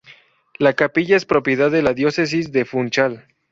La capilla es propiedad de la Diócesis de Funchal.